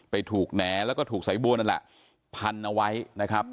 ถูกแหน่แล้วก็ถูกสายบัวนั่นแหละพันเอาไว้นะครับ